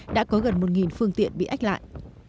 đã có gần một phương tiện bị ách lại